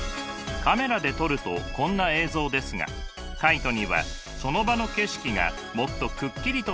カメラで撮るとこんな映像ですがカイトにはその場の景色がもっとくっきりと見えています。